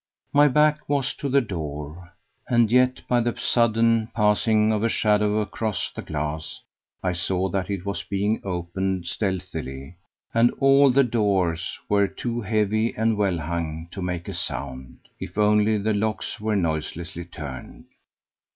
My back was to the door, and yet by the sudden passing of a shadow across the glass I saw that it was being opened stealthily and all the doors were too heavy and well hung to make a sound, if only the locks were noiselessly turned.